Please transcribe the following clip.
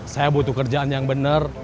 saya butuh kerjaan yang benar